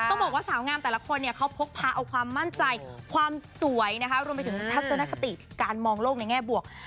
ต้องบอกว่าสาวงามแต่ละคนเนี่ยเขาพกพาเอาความมั่นใจความสวยนะคะรวมไปถึงทัศนคติการมองโลกในแง่บวก